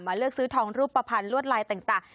มาเลือกซื้อทองรูปประพันธ์ลวดลายต่าง